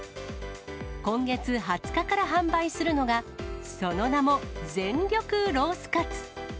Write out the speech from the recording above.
今月２０日から販売するのが、その名も、全力ロースカツ！